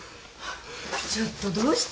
ちょっとどうしたの？